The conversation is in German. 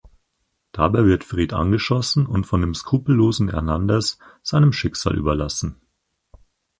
Dabei wird Fred angeschossen und von dem skrupellosen Hernandez seinem Schicksal überlassen.